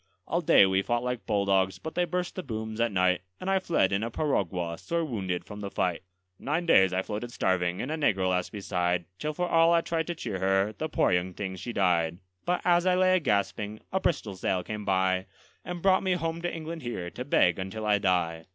All day we fought like bulldogs, but they burst the booms at night; And I fled in a piragua, sore wounded, from the fight. Nine days I floated starving, and a negro lass beside, Till for all I tried to cheer her, the poor young thing she died; But as I lay a gasping, a Bristol sail came by, And brought me home to England here, to beg until I die.